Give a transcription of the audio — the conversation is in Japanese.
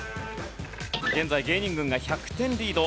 現在芸人軍が１００点リード。